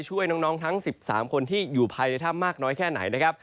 ช่วยน้องทั้ง๑๓คนที่อยู่ภายในท่ามมากน้อยแค่ไหน